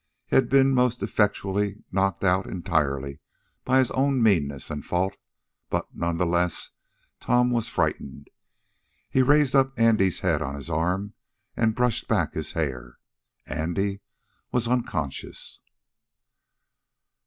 He had been most effectually knocked out entirely by his own meanness and fault, but, none the less, Tom was frightened. He raised up Andy's head on his arm, and brushed back his hair. Andy was unconscious.